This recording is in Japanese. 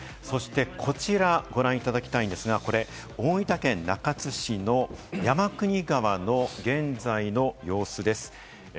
こちら、ご覧いただきたいんですが、大分県中津市の山国川の現在の様子です。